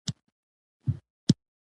نوې نړۍ پورې اړه لري.